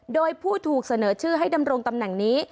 โดยผู้ถูกเสนอชื่อให้ดำรงตำแหน่งนี้